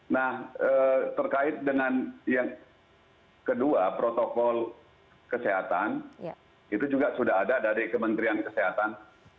nah terkait dengan yang kedua protokol kesehatan itu juga sudah ada dari kementerian kesehatan